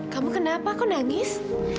kamu kenapa kok nangis